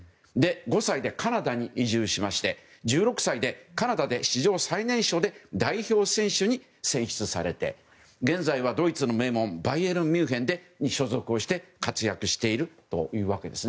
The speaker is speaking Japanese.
５歳でカナダに移住しまして１６歳でカナダで史上最年少で代表選手に選出されて現在はドイツの名門バイエルン・ミュンヘンに所属し活躍しているというわけです。